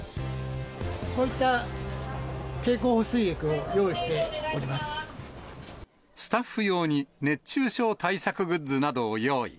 こういった経口補水液を用意スタッフ用に、熱中症対策グッズなどを用意。